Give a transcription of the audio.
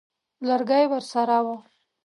لرګی ورسره وو.